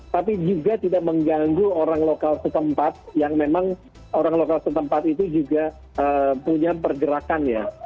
tapi juga tidak mengganggu orang lokal setempat yang memang orang lokal setempat itu juga punya pergerakan ya